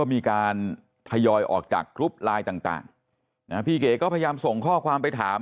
มีการทยอยออกจากกรุ๊ปไลน์ต่างพี่เก๋ก็พยายามส่งข้อความไปถาม